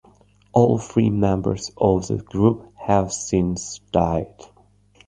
All three members of the group have since died.